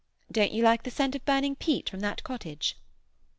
"Don't you like the scent of burning peat from that cottage?"